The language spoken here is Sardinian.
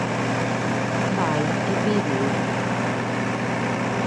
Bae e bidet tue.